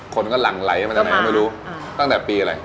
คนก็หลังไลตั้งแต่ปีอะไร